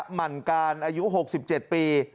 หมั่นการอายุ๖๗ปี